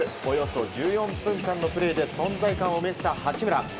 およそ１４分間のプレーで存在感を見せた八村。